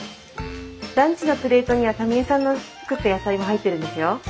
ランチのプレートにはタミ江さんの作った野菜も入ってるんですよ。